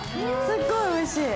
すっごいおいしい。